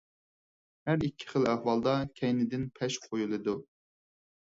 ھەر ئىككى خىل ئەھۋالدا كەينىدىن پەش قويۇلىدۇ.